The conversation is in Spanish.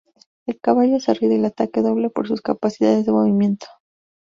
El caballo es el rey del ataque doble por sus capacidades de movimiento.